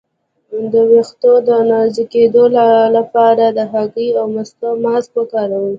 د ویښتو د نازکیدو لپاره د هګۍ او مستو ماسک وکاروئ